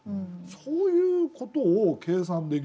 そういう事を計算できる。